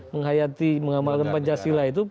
menghayati mengamalkan pancasila itu